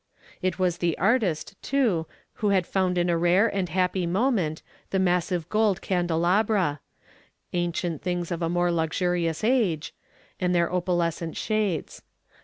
It was the artist, too, who had found in a rare and happy moment the massive gold candelabra ancient things of a more luxurious age and their opalescent shades.